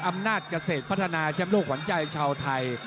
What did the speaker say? อำนาจเกษตรพัฒนาแชมป์โลกขวัญใจชาวไทย